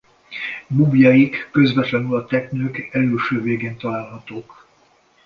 Búbjaik közvetlenül a teknők elülső végén találhatók.